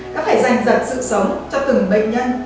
đã phải dành dần sự sống cho từng bệnh nhân